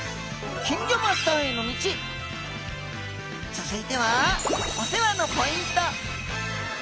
続いてはお世話のポイント。